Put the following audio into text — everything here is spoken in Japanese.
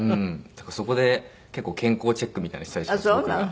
そこで結構健康チェックみたいなのしたりします僕が。